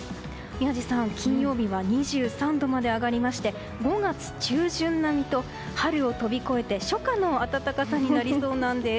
宮司さん、金曜日は２３度まで上がりまして５月中旬並みと春を飛び越えて初夏の暖かさになりそうなんです。